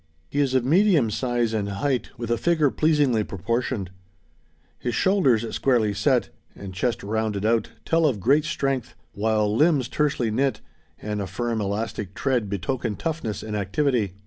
He is of medium size and height, with a figure pleasingly proportioned. His shoulders squarely set, and chest rounded out, tell of great strength; while limbs tersely knit, and a firm elastic tread betoken toughness and activity.